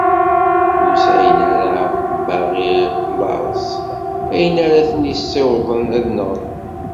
Ur sɛin ara, mbaɣir laẓ, ayen ara ten-issiwḍen ad nɣen.